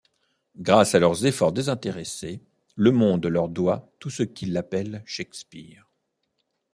Grâce à leurs efforts désintéressés, le monde leur doit tout ce qu'il appelle Shakespeare.